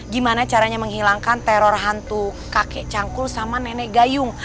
gimana caranya menghilangkan teror hantu kakek cangkul sama nenek gayung